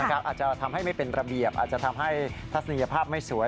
อาจจะทำให้ไม่เป็นระเบียบอาจจะทำให้ทัศนียภาพไม่สวย